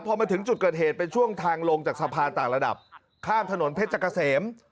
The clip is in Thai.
พอมาถึงจุดเกิดเหตุเป็นช่วงทางลงจากสะพานต่างระดับข้ามถนนเพชรเกษม